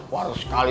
wah harus sekali